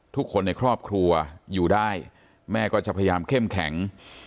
ทุกคนในครอบครัวอยู่ได้แม่ก็จะพยายามเข้มแข็ง